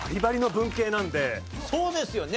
そうですよね。